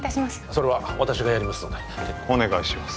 それは私がやりますのでお願いします